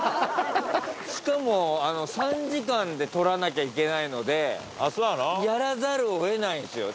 しかも３時間で撮らなきゃいけないのでやらざるを得ないんですよ